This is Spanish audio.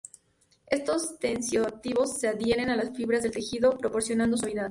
Estos tensioactivos se adhieren a las fibras del tejido, proporcionando suavidad.